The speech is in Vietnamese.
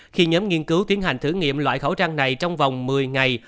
khi nhóm nghiên cứu tiến hành thử nghiệm loại khẩu trang này trong vòng một mươi ngày